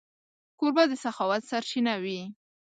کوربه د سخاوت سرچینه وي.